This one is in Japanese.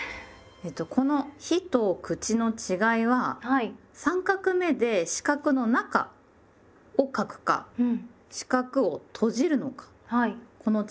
この「日」と「口」の違いは３画目で四角の中を書くか四角を閉じるのかこの違いです。